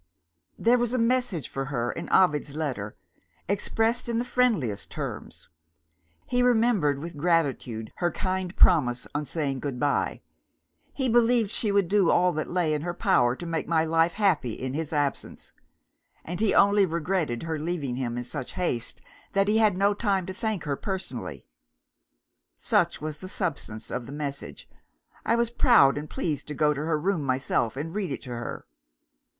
"There was a message for her in Ovid's letter expressed in the friendliest terms. He remembered with gratitude her kind promise, on saying good bye; he believed she would do all that lay in her power to make my life happy in his absence; and he only regretted her leaving him in such haste that he had no time to thank her personally. Such was the substance of the message. I was proud and pleased to go to her room myself, and read it to her.